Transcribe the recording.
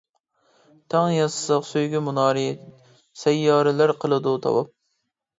تەڭ ياسىساق سۆيگۈ مۇنارى، سەييارىلەر قىلىدۇ تاۋاپ.